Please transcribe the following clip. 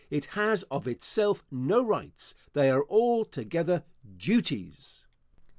It has of itself no rights; they are altogether duties.